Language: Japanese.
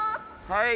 はい。